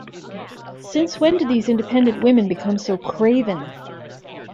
Since when did these independent women become so craven?